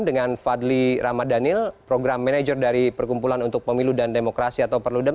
dengan fadli ramadhanil program manager dari perkumpulan untuk pemilu dan demokrasi atau perludem